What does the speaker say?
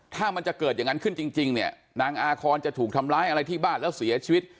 ถ้ามันจะเกิดอย่างนั้นขึ้นจริงเนี่ยนางอาคอนจะถูกทำร้ายอะไรที่บ้านแล้วเสียชีวิต